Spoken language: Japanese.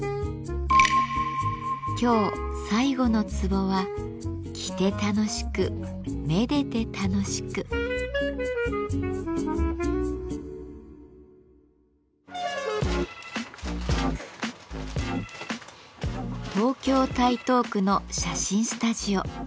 今日最後のツボは東京・台東区の写真スタジオ。